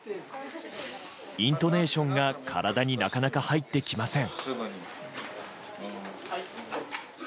イントネーションが体になかなか入ってきません。